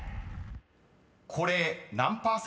［これ何％？］